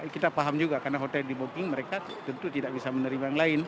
kita paham juga karena hotel di booking mereka tentu tidak bisa menerima yang lain